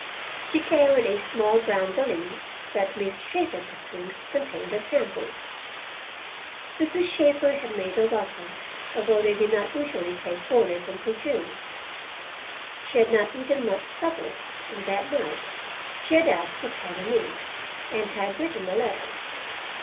She carried a small brown valise that Miss Shaeffer presumed contained her samples. Mrs. Shaeffer had made her welcome, although they did not usually take boarders until June. She had not eaten much supper, and that night she had asked for pen and ink, and had written a letter.